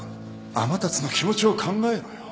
天達の気持ちを考えろよ